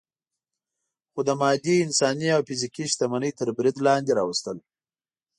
خو د مادي، انساني او فزیکي شتمنۍ تر برید لاندې راوستل.